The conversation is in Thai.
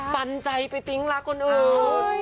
ปันใจไปปิ๊งรักคนอื่น